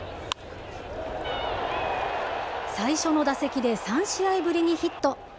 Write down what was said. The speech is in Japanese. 最初の打席で３試合ぶりにヒット。